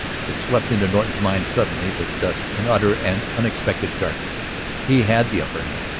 It swept into Norton's mind suddenly that thus, in utter and unexpected darkness, he had the upper hand.